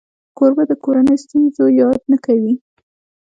کوربه د کورنۍ ستونزو یاد نه کوي.